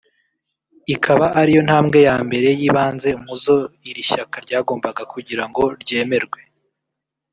ikaba ariyo ntambwe ya mbere y’ibanze mu zo iri shyaka ryagombaga kugira ngo ryemerwe